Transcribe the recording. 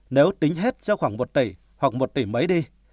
nếu tính hết cho khoảng một tỷ hoặc một tỷ mấy đi